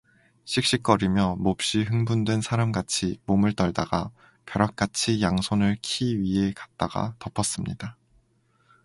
씩씩거리며 몹시 흥분된 사람같이 몸을 떨다가 벼락같이 양손을 키 위에 갖다가 덮었습니다.